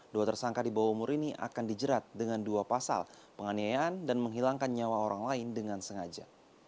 dua tersangka di bawah umur ini akan dijerat dengan dua pasal penganiayaan dan menghilangkan nyawa orang lain dengan sengaja